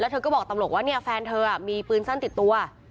เธอก็บอกตำรวจว่าเนี่ยแฟนเธอมีปืนสั้นติดตัว